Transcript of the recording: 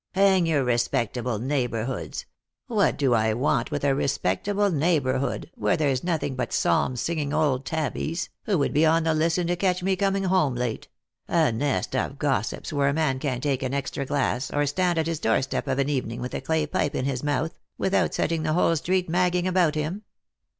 " Hang your respectable neighbourhoods ! What do I wan 266 jjQ$t jor Liove. with a respectable neighbourhood, where there's nothing but psalm singing old tabbies, who would be on the listen to catch me coming home late ; a nest of gossips where a man can't take an extra glass, or stand at his door step of an evening with a clay pipe in his mouth, without setting the whole street mag ging about him